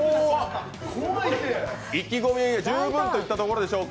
意気込み十分といったところでしょうか。